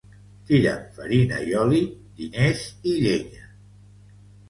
Tira’m farina i oli, diners i llenya.